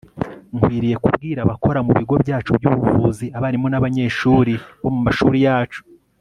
nkwiriye kubwira abakora mu bigo byacu by'ubuvuzi, abarimu n'abanyeshuri bo mu mashuri yacu